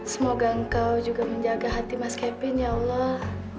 semoga engkau juga menjaga hati mas kevin ya allah